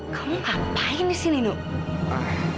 kamu ngapain disini nuk